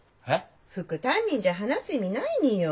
副担任じゃ話す意味ないによ。